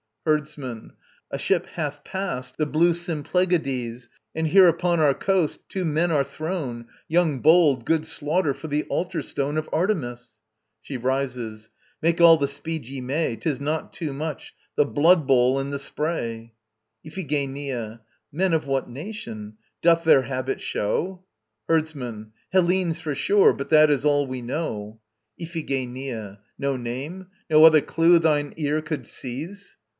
HERDSMAN. A ship hath passed the blue Symplegades, And here upon our coast two men are thrown, Young, bold, good slaughter for the altar stone Of Artemis! [SHE RISES.] Make all the speed ye may; 'Tis not too much. The blood bowl and the spray! IPHIGENIA. Men of what nation? Doth their habit show? HERDSMAN. Hellenes for sure, but that is all we know. IPHIGENIA. No name? No other clue thine ear could seize?